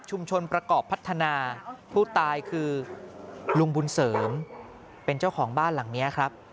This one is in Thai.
ประกอบพัฒนาผู้ตายคือลุงบุญเสริมเป็นเจ้าของบ้านหลังนี้ครับ